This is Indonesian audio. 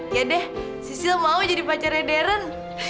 ya deh sisil mau jadi pacarnya darren